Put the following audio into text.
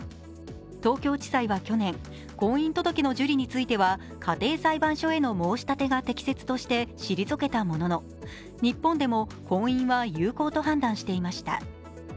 東京地裁は去年、婚姻届の受理については家庭裁判所への申し立てが適切として退けたものの日本でも婚姻は有効と判断していました。